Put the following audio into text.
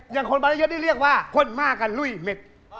อย่างคนบรรยะเยอะที่เรียกว่าคนมากันลุยเม็ด